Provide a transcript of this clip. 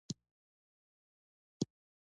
ښارونه د افغانستان د دوامداره پرمختګ لپاره اړین دي.